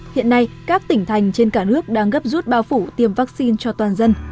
hiện nay các tỉnh thành trên cả nước đang gấp rút bao phủ tiêm vaccine cho toàn dân